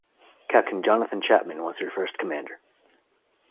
Captain Jonathan Chapman was her first commander.